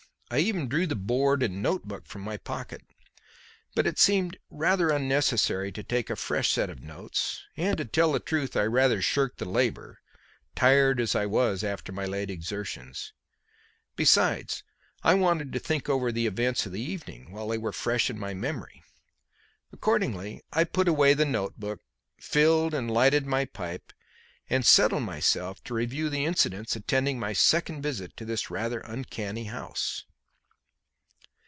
I even drew the board and notebook from my pocket. But it seemed rather unnecessary to take a fresh set of notes, and, to tell the truth, I rather shirked the labour, tired as I was after my late exertions; besides, I wanted to think over the events of the evening, while they were fresh in my memory. Accordingly I put away the notebook, filled and lighted my pipe, and settled myself to review the incidents attending my second visit to this rather uncanny house.